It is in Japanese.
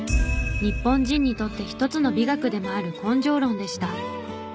日本人にとって一つの美学でもある根性論でした。